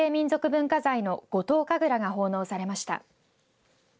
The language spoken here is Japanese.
文化財の五島神楽が奉納されました。